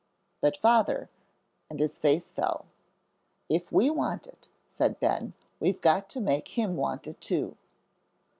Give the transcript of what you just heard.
"But Father " and his face fell. "If we want it," said Ben, "we've got to make him want it, too."